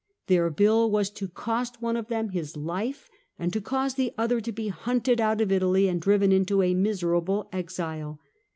Their bill was to cost one of them his life, and to cause the other to be hunted out of Italy and driven into a miserable exile.